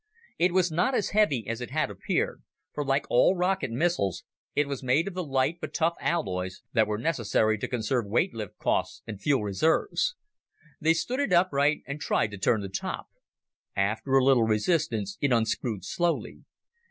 It was not as heavy as it had appeared, for, like all rocket missiles, it was made of the light but tough alloys that were necessary to conserve weight lift costs and fuel reserves. They stood it upright and tried to turn the top. After a little resistance, it unscrewed slowly.